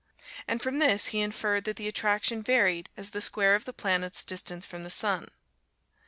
And from this, he inferred that the attraction varied as the square of the planet's distance from the sun.